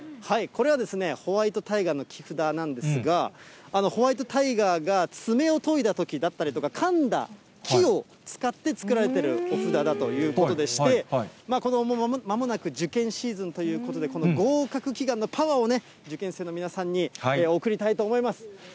これはホワイトタイガーの木札なんですが、ホワイトタイガーが爪を研いだときだったりとか、かんだ木を使って作られているお札だということでして、まもなく受験シーズンということで、合格祈願のパワーをね、受験生の皆さんに贈りたいと思います。